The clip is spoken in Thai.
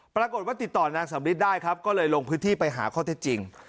ปรากฏว่าติดต่อนางสำริทได้ครับก็เลยลงพื้นที่ไปหาข้อเท็จจริง